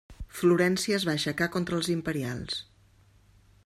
Florència es va aixecar contra els imperials.